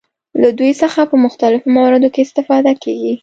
له دوی څخه په مختلفو مواردو کې استفاده کیږي.